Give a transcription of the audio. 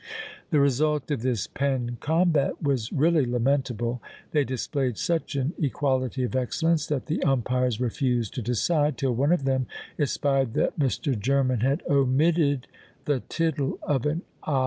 The result of this pen combat was really lamentable; they displayed such an equality of excellence that the umpires refused to decide, till one of them espied that Mr. German had omitted the tittle of an i!